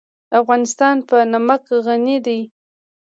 افغانستان په نمک غني دی.